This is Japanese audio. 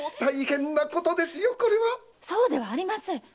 そうではありません。